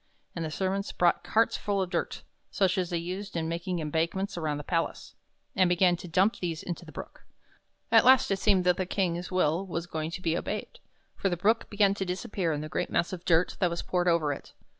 And the servants brought carts full of dirt, such as they used in making embankments around the palace, and began to dump these into the Brook. At last it 38 THE BROOK IN THE KING'S GARDEN seemed that the King's will was going to be obeyed, for the Brook began to disappear in the great mass of dirt that was poured over it.